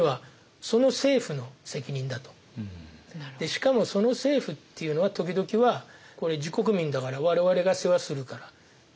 しかもその政府っていうのは時々はこれ自国民だから我々が世話するから全然大丈夫だよ